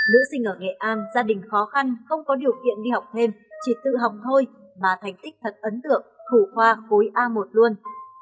nữ sinh ở nghệ an gia đình khó khăn không có điều kiện đi học thêm chỉ tự học thôi mà thành tích thật ấn tượng thủ khoa khối a một luôn